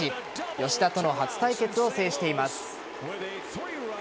吉田との初対決を制しています。